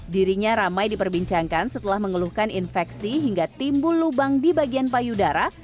dirinya ramai diperbincangkan setelah mengeluhkan infeksi hingga timbul lubang di bagian payudara